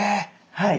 はい。